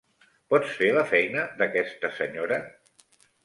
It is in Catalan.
Pots fer la feina d'aquesta senyora?